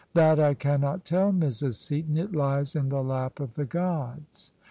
" "That I cannot tell, Mrs. Seaton: it lies in the lap of the gods.